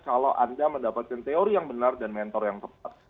kalau anda mendapatkan teori yang benar dan mentor yang tepat